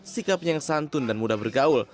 sikapnya yang santun dan mudah bergaul